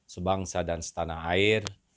sebangsa dan setanah air